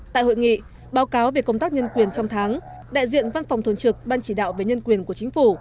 tại hội nghị báo cáo về công tác nhân quyền trong tháng đại diện văn phòng thường trực ban chỉ đạo về nhân quyền của chính phủ